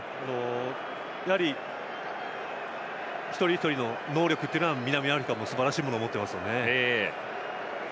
やはり、一人一人の能力というのは南アフリカもすばらしいものを持っていますよね。